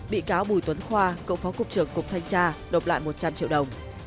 bị cáo bùi tuấn khoa cậu phó cục trưởng cục thanh tra nộp lại một trăm linh triệu đồng